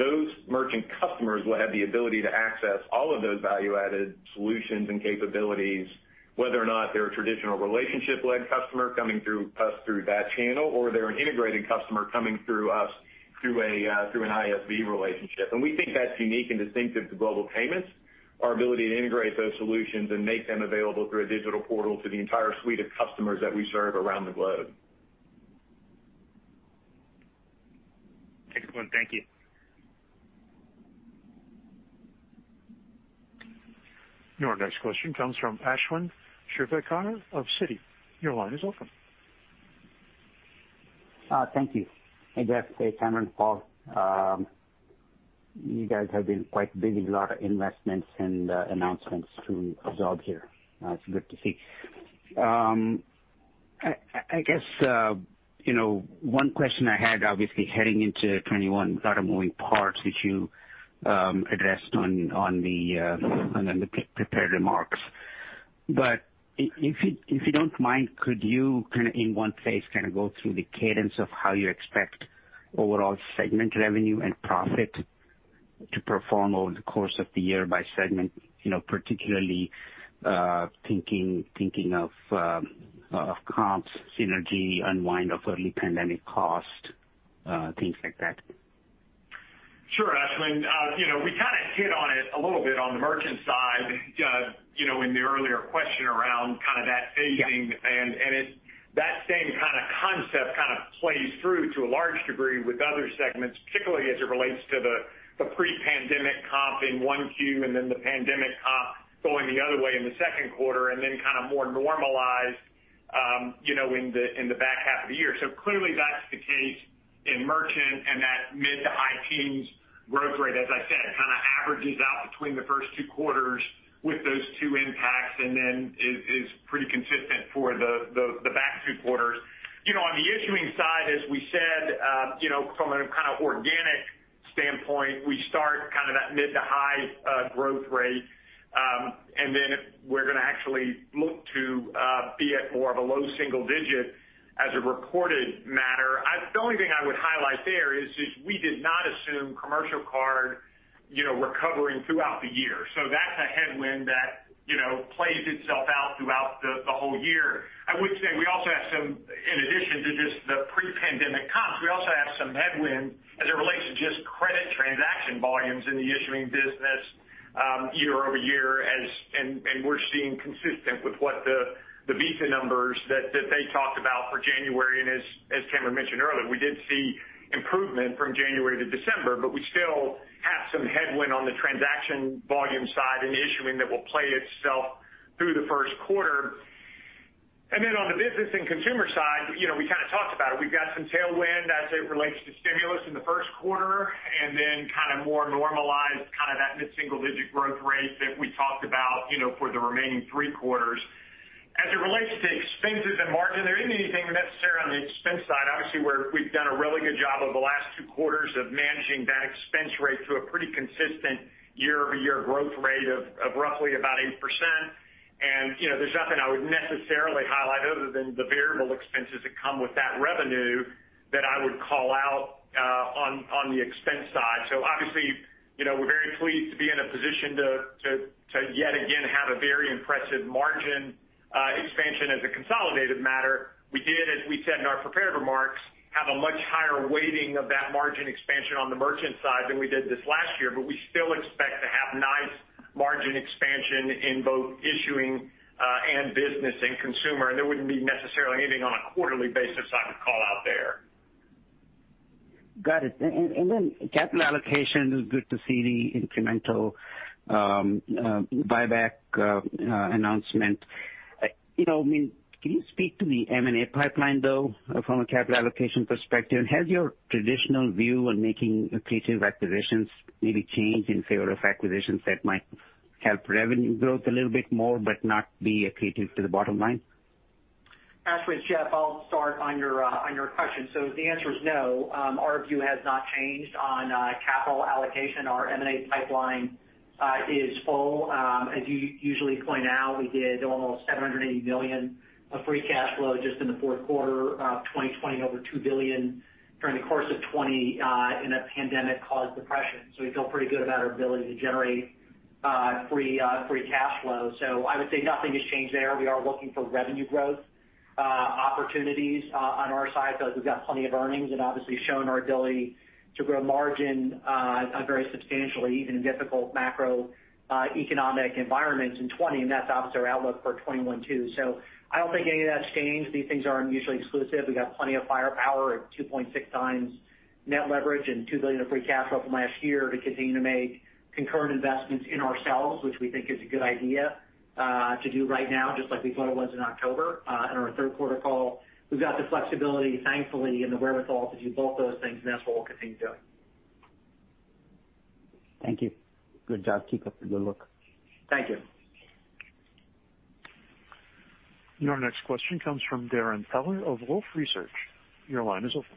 those merchant customers will have the ability to access all of those value-added solutions and capabilities, whether or not they're a traditional relationship-led customer coming through us through that channel, or they're an integrated customer coming through us through an ISV relationship. We think that's unique and distinctive to Global Payments, our ability to integrate those solutions and make them available through a digital portal to the entire suite of customers that we serve around the globe. Excellent. Thank you. Your next question comes from Ashwin Shirvaikar of Citi. Your line is open. Thank you. Hey, Jeff, hey, Cameron, Paul. You guys have been quite busy, a lot of investments and announcements to absorb here. It's good to see. I guess one question I had, obviously heading into 2021, a lot of moving parts that you addressed on the prepared remarks. If you don't mind, could you kind of in one place kind of go through the cadence of how you expect overall segment revenue and profit to perform over the course of the year by segment, particularly thinking of comps, synergy, unwind of early pandemic cost, things like that? Sure, Ashwin. We kind of hit on it a little bit on the merchant side in the earlier question around kind of that phasing. Yeah. That same concept plays through to a large degree with other segments, particularly as it relates to the pre-pandemic comp in one quarter, and then the pandemic comp going the other way in the second quarter, and then kind of more normalized. In the back half of the year. Clearly that's the case in merchant and that mid-to-high teens growth rate, as I said, kind of averages out between the first two quarters with those two impacts and then is pretty consistent for the back two quarters. On the issuing side, as we said, from a kind of organic standpoint, we start kind of that mid-to-high growth rate, and then we're going to actually look to be at more of a low single-digit as a reported matter. The only thing I would highlight there is we did not assume commercial card recovering throughout the year. That's a headwind that plays itself out throughout the whole year. I would say in addition to just the pre-pandemic comps, we also have some headwind as it relates to just credit transaction volumes in the issuing business year-over-year and we're seeing consistent with what the Visa numbers that they talked about for January, and as Cameron mentioned earlier, we did see improvement from January to December. We still have some headwind on the transaction volume side in issuing that will play itself through the first quarter. On the Business and Consumer Solutions side, we kind of talked about it. We've got some tailwind as it relates to stimulus in the first quarter and then kind of more normalized kind of that mid-single digit growth rate that we talked about for the remaining three quarters. As it relates to expenses and margin, there isn't anything necessarily on the expense side. We've done a really good job over the last two quarters of managing that expense rate to a pretty consistent year-over-year growth rate of roughly about 8%. There's nothing I would necessarily highlight other than the variable expenses that come with that revenue that I would call out on the expense side. Obviously, we're very pleased to be in a position to yet again have a very impressive margin expansion as a consolidated matter. We did, as we said in our prepared remarks, have a much higher weighting of that margin expansion on the merchant side than we did this last year. We still expect to have nice margin expansion in both issuing and business and consumer, and there wouldn't be necessarily anything on a quarterly basis I would call out there. Got it. Capital allocation is good to see the incremental buyback announcement. Can you speak to the M&A pipeline, though, from a capital allocation perspective? Has your traditional view on making accretive acquisitions maybe changed in favor of acquisitions that might help revenue growth a little bit more but not be accretive to the bottom line? Ashwin, Jeff, I'll start on your question. The answer is no. Our view has not changed on capital allocation. Our M&A pipeline is full. As you usually point out, we did almost $780 million of free cash flow just in the fourth quarter of 2020, over $2 billion during the course of 2020, in a pandemic-caused depression. We feel pretty good about our ability to generate free cash flow. I would say nothing has changed there. We are looking for revenue growth opportunities on our side because we've got plenty of earnings and obviously shown our ability to grow margin very substantially even in difficult macroeconomic environments in 2020, and that's obviously our outlook for 2021 too. I don't think any of that's changed. These things aren't mutually exclusive. We've got plenty of firepower at 2.6x net leverage and $2 billion of free cash flow from last year to continue to make concurrent investments in ourselves, which we think is a good idea to do right now, just like we thought it was in October in our third quarter call. We've got the flexibility, thankfully, and the wherewithal to do both those things, and that's what we'll continue doing. Thank you. Good job, Jeff. Good luck. Thank you. Your next question comes from Darrin Peller of Wolfe Research. Your line is open.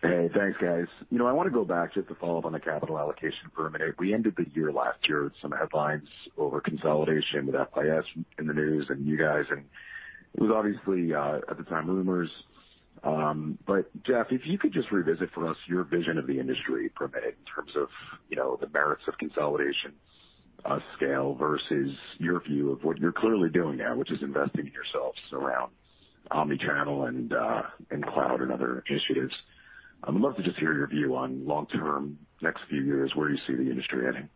Hey, thanks guys. I want to go back just to follow up on the capital allocation for a minute. We ended the year last year with some headlines over consolidation with FIS in the news and you guys, and it was obviously, at the time, rumors. Jeff, if you could just revisit for us your vision of the industry for a minute in terms of the merits of consolidation of scale versus your view of what you're clearly doing now, which is investing in yourselves around omnichannel and cloud and other initiatives. I would love to just hear your view on long-term, next few years, where you see the industry heading.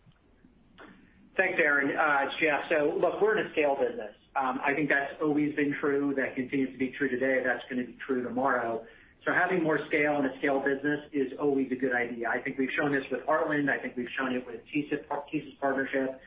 Thanks, Darrin. It's Jeff. Look, we're in a scale business. I think that's always been true, that continues to be true today, that's going to be true tomorrow. Having more scale in a scale business is always a good idea. I think we've shown this with Heartland. I think we've shown it with TSYS's partnership.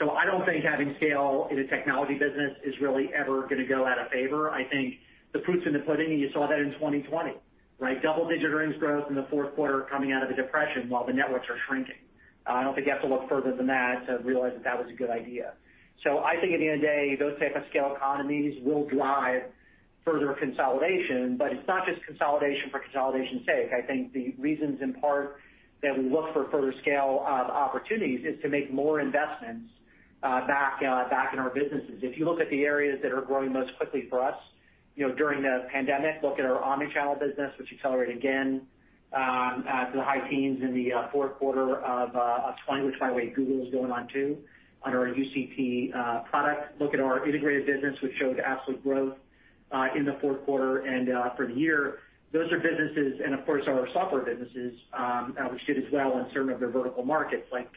I don't think having scale in a technology business is really ever going to go out of favor. I think the proof's in the pudding, and you saw that in 2020, right? Double-digit earnings growth in the fourth quarter coming out of a depression while the networks are shrinking. I don't think you have to look further than that to realize that that was a good idea. I think at the end of the day, those type of scale economies will drive further consolidation. It's not just consolidation for consolidation's sake. I think the reasons in part that we look for further scale of opportunities is to make more investments back in our businesses. If you look at the areas that are growing most quickly for us during the pandemic, look at our omni-channel business, which accelerated again to the high teens in the fourth quarter of 2020, which by the way, Google is going on too, on our UCP product. Look at our Integrated Business, which showed absolute growth in the fourth quarter and for the year. Those are businesses, and of course our software businesses, which did as well in certain of their vertical markets like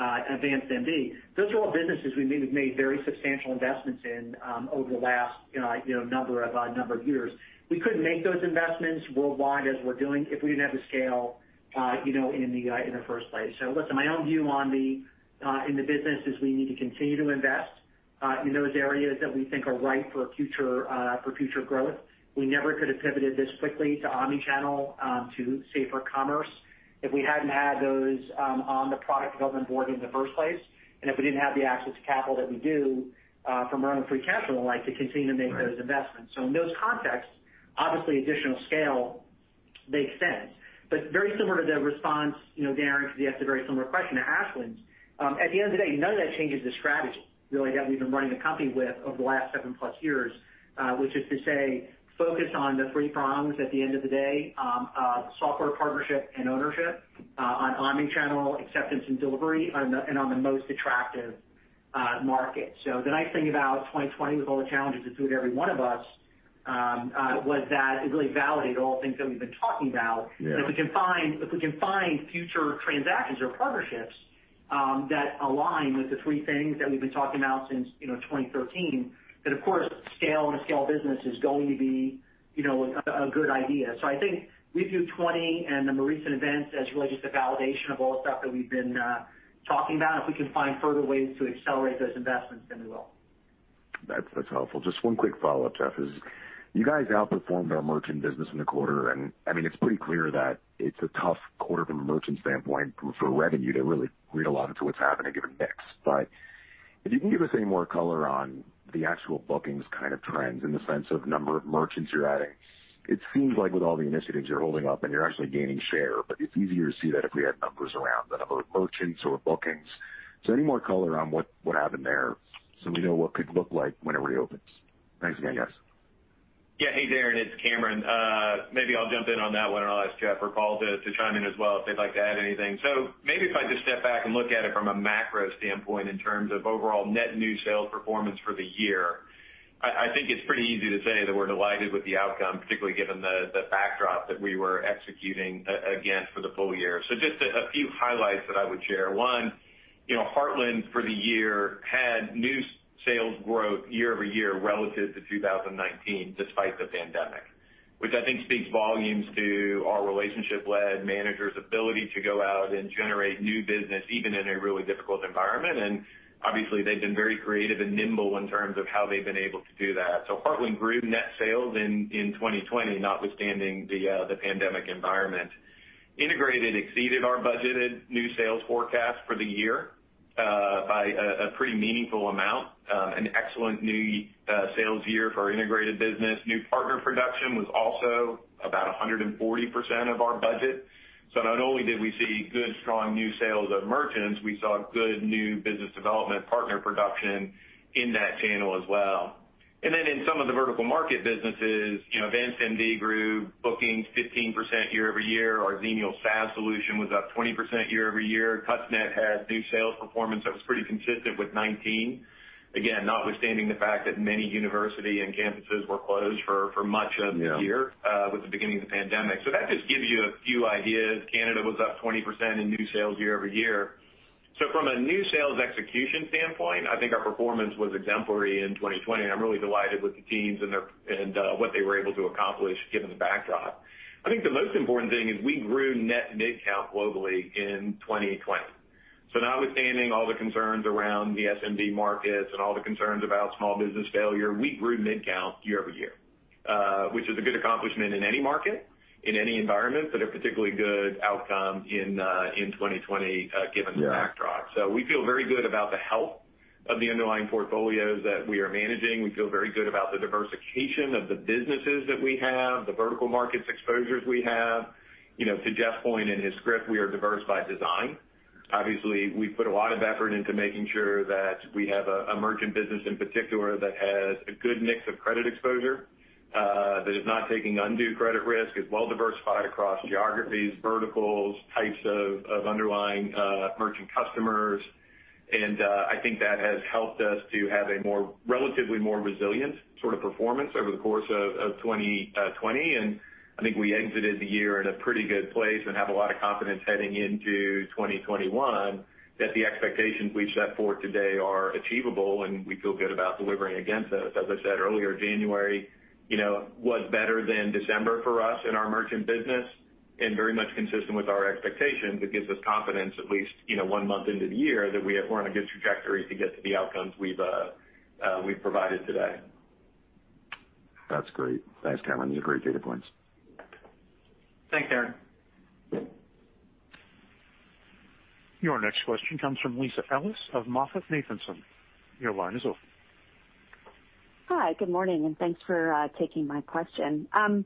AdvancedMD. Those are all businesses we've made very substantial investments in over the last number of years. We couldn't make those investments worldwide as we're doing if we didn't have the scale in the first place. Listen, my own view in the business is we need to continue to invest. In those areas that we think are ripe for future growth. We never could have pivoted this quickly to omni-channel to safer commerce if we hadn't had those on the product development board in the first place, and if we didn't have the access to capital that we do from earning free capital and the like to continue to make those investments. In those contexts, obviously additional scale makes sense. Very similar to the response, Darrin, because you asked a very similar question to Ashwin's. At the end of the day, none of that changes the strategy, really, that we've been running the company with over the last seven-plus years, which is to say, focus on the three prongs at the end of the day, software partnership and ownership on omni-channel acceptance and delivery, and on the most attractive market. The nice thing about 2020 with all the challenges it threw at every one of us, was that it really validated all the things that we've been talking about. Yeah. If we can find future transactions or partnerships that align with the three things that we've been talking about since 2013, of course, scale and a scale business is going to be a good idea. I think we view 2020 and the more recent events as really just a validation of all the stuff that we've been talking about. If we can find further ways to accelerate those investments, we will. That's helpful. Just one quick follow-up, Jeff, is you guys outperformed our merchant business in the quarter, and it's pretty clear that it's a tough quarter from a merchant standpoint for revenue to really read a lot into what's happening given mix. If you can give us any more color on the actual bookings kind of trends in the sense of number of merchants you're adding? It seems like with all the initiatives you're holding up and you're actually gaining share, but it's easier to see that if we had numbers around the number of merchants or bookings. Any more color on what happened there so we know what could look like when it reopens? Thanks again, guys. Yeah. Hey, Darrin, it's Cameron. Maybe I'll jump in on that one, and I'll ask Jeff or Paul to chime in as well if they'd like to add anything. Maybe if I just step back and look at it from a macro standpoint in terms of overall net new sales performance for the year. I think it's pretty easy to say that we're delighted with the outcome, particularly given the backdrop that we were executing again for the full year. Just a few highlights that I would share. One, Heartland, for the year, had new sales growth year-over-year relative to 2019 despite the pandemic. Which I think speaks volumes to our relationship-led managers' ability to go out and generate new business, even in a really difficult environment. Obviously, they've been very creative and nimble in terms of how they've been able to do that. Heartland grew net sales in 2020, notwithstanding the pandemic environment. Integrated exceeded our budgeted new sales forecast for the year by a pretty meaningful amount. An excellent new sales year for our integrated business. New partner production was also about 140% of our budget. Not only did we see good, strong new sales of merchants, we saw good new business development partner production in that channel as well. In some of the vertical market businesses, Events & Venues grew bookings 15% year-over-year. Our Xenial SaaS solution was up 20% year-over-year. TouchNet had new sales performance that was pretty consistent with 2019. Again, notwithstanding the fact that many university and campuses were closed for much of the year. Yeah With the beginning of the pandemic. That just gives you a few ideas. Canada was up 20% in new sales year-over-year. From a new sales execution standpoint, I think our performance was exemplary in 2020. I'm really delighted with the teams and what they were able to accomplish given the backdrop. I think the most important thing is we grew net MID count globally in 2020. Notwithstanding all the concerns around the SMB markets and all the concerns about small business failure, we grew MID count year-over-year. Which is a good accomplishment in any market, in any environment, but a particularly good outcome in 2020 given the backdrop. Yeah. We feel very good about the health of the underlying portfolios that we are managing. We feel very good about the diversification of the businesses that we have, the vertical markets exposures we have. To Jeff's point in his script, we are diverse by design. Obviously, we've put a lot of effort into making sure that we have a merchant business in particular that has a good mix of credit exposure. That is not taking undue credit risk, is well diversified across geographies, verticals, types of underlying merchant customers. I think that has helped us to have a more relatively more resilient sort of performance over the course of 2020. I think we exited the year in a pretty good place and have a lot of confidence heading into 2021 that the expectations we've set forth today are achievable and we feel good about delivering against those. As I said earlier, January was better than December for us in our merchant business and very much consistent with our expectations. It gives us confidence, at least one month into the year that we're on a good trajectory to get to the outcomes we've provided today. That's great. Thanks, Cameron. These are great data points. Thanks, Darrin. Your next question comes from Lisa Ellis of MoffettNathanson. Your line is open. Hi, good morning, and thanks for taking my question. Can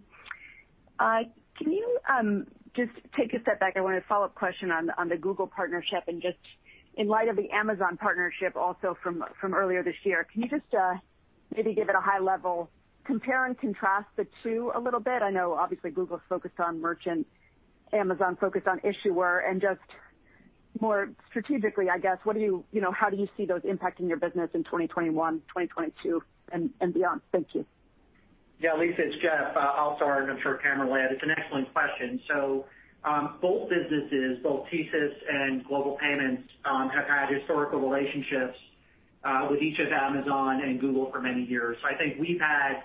you just take a step back? I want a follow-up question on the Google partnership and just in light of the Amazon partnership also from earlier this year. Can you just maybe give it a high-level compare and contrast the two a little bit? I know obviously Google's focused on merchant, Amazon focused on issuer, and just more strategically, I guess, how do you see those impacting your business in 2021, 2022, and beyond? Thank you. Yeah, Lisa, it's Jeff. I'll start, and I'm sure Cameron will add. It's an excellent question. Both businesses, both TSYS and Global Payments, have had historical relationships with each of Amazon and Google for many years. I think we've had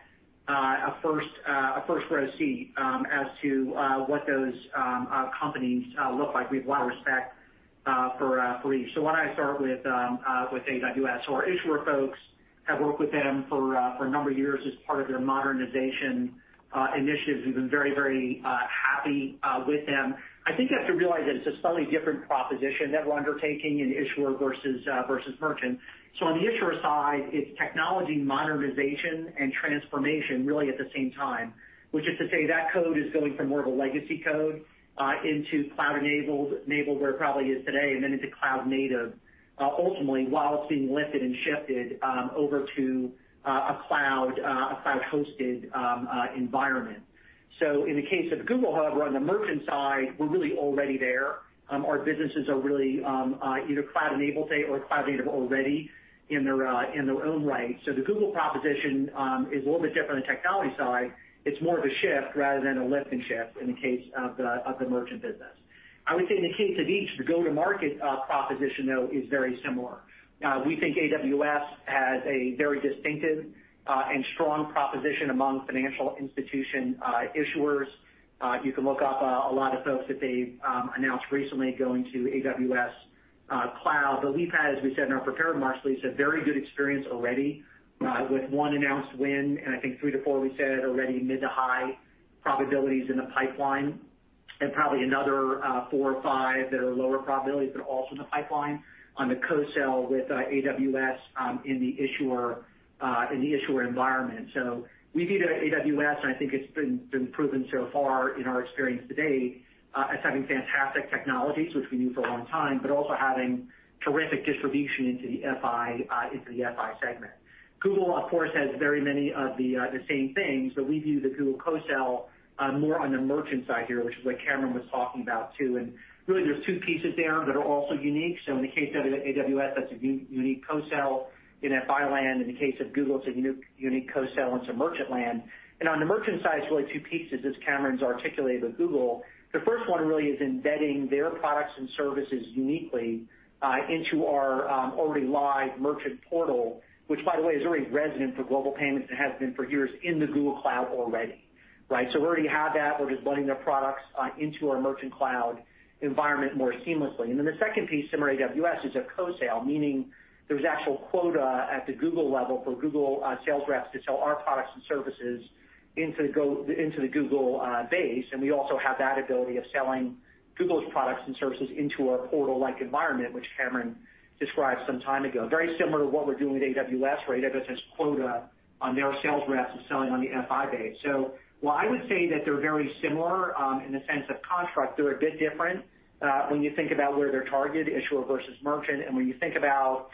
a first-row seat as to what those companies look like. We have a lot of respect for each. Why don't I start with AWS? Our Issuer Solutions folks have worked with them for a number of years as part of their modernization initiatives. We've been very happy with them. I think you have to realize that it's a slightly different proposition that we're undertaking in Issuer Solutions versus Merchant Solutions. On the issuer side, it's technology modernization and transformation really at the same time, which is to say that code is going from more of a legacy code into cloud-enabled, where it probably is today, and then into cloud-native, ultimately, while it's being lifted and shifted over to a cloud-hosted environment. In the case of Google, however, on the merchant side, we're really already there. Our businesses are really either cloud-enabled today or cloud-native already in their own right. The Google proposition is a little bit different on the technology side. It's more of a shift rather than a lift and shift in the case of the merchant business. I would say in the case of each, the go-to-market proposition, though, is very similar. We think AWS has a very distinctive and strong proposition among financial institution issuers. You can look up a lot of folks that they've announced recently going to AWS Cloud. We've had, as we said in our prepared remarks, Lisa, very good experience already with one announced win, and I think three to four we said already mid to high probabilities in the pipeline, and probably another four or five that are lower probabilities but also in the pipeline on the co-sell with AWS in the issuer environment. We view AWS, and I think it's been proven so far in our experience to date, as having fantastic technologies, which we knew for a long time, but also having terrific distribution into the FI segment. Google, of course, has very many of the same things, we view the Google co-sell more on the merchant side here, which is what Cameron was talking about too. Really there's two pieces there that are also unique. In the case of AWS, that's a unique co-sell in FI land. In the case of Google, it's a unique co-sell into merchant land. On the merchant side, it's really two pieces, as Cameron's articulated with Google. The first one really is embedding their products and services uniquely into our already live merchant portal, which, by the way, is already resident for Global Payments and has been for years in the Google Cloud already. Right? We already have that. We're just letting their products into our merchant cloud environment more seamlessly. Then the second piece, similar to AWS, is a co-sell, meaning there's actual quota at the Google level for Google sales reps to sell our products and services into the Google base. We also have that ability of selling Google's products and services into our portal-like environment, which Cameron described some time ago. Very similar to what we're doing with AWS. AWS has quota on their sales reps selling on the FI base. While I would say that they're very similar in the sense of contract, they're a bit different when you think about where they're targeted, issuer versus merchant, and when you think about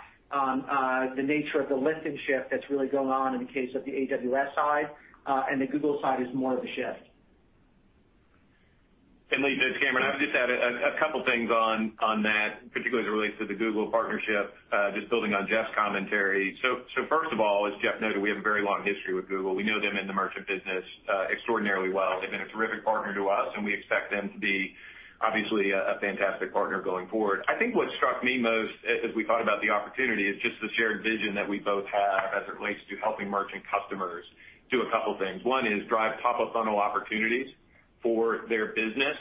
the nature of the lift and shift that's really going on in the case of the AWS side, and the Google side is more of a shift. Lisa, it's Cameron. I would just add a couple things on that, particularly as it relates to the Google partnership, just building on Jeff's commentary. First of all, as Jeff noted, we have a very long history with Google. We know them in the merchant business extraordinarily well. They've been a terrific partner to us, and we expect them to be obviously a fantastic partner going forward. I think what struck me most as we thought about the opportunity is just the shared vision that we both have as it relates to helping merchant customers do a couple things. One is drive top-of-funnel opportunities for their business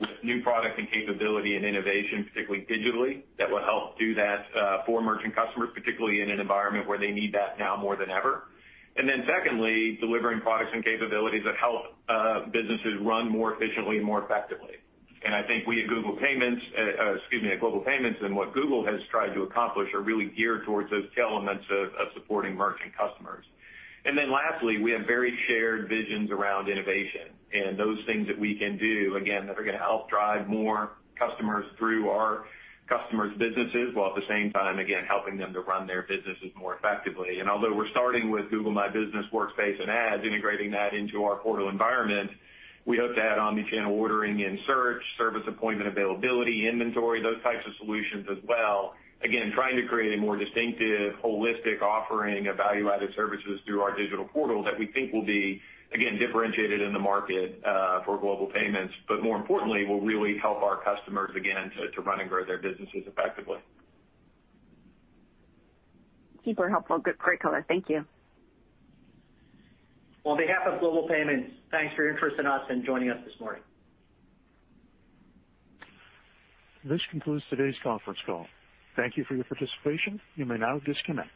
with new product and capability and innovation, particularly digitally, that will help do that for merchant customers, particularly in an environment where they need that now more than ever. Secondly, delivering products and capabilities that help businesses run more efficiently and more effectively. I think at Global Payments, and what Google has tried to accomplish are really geared towards those elements of supporting merchant customers. Lastly, we have very shared visions around innovation and those things that we can do, again, that are going to help drive more customers through our customers' businesses, while at the same time, again, helping them to run their businesses more effectively. Although we're starting with Google My Business Workspace and Ads, integrating that into our portal environment, we hope to add omnichannel ordering in search, service appointment availability, inventory, those types of solutions as well. Again, trying to create a more distinctive, holistic offering of value-added services through our digital portal that we think will be, again, differentiated in the market for Global Payments, but more importantly, will really help our customers, again, to run and grow their businesses effectively. Super helpful. Good, great color. Thank you. On behalf of Global Payments, thanks for your interest in us and joining us this morning. This concludes today's conference call. Thank you for your participation. You may now disconnect.